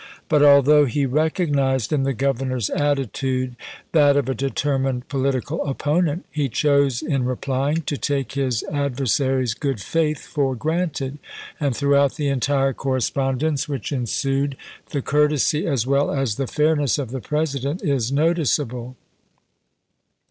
But although he recognized in the Governor's attitude that of a determined political opponent, he chose in replying to take his adversary's good faith for granted, and throughout the entire correspondence which ensued the courtesy as well as the fairness of the President is noticeable.